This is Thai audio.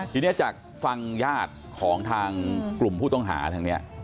ทีนี้จากฟังญาติของทางกลุ่มผู้ต้องหาทางนี้